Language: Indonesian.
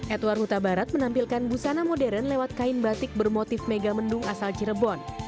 edward huta barat menampilkan busana modern lewat kain batik bermotif megamendung asal cirebon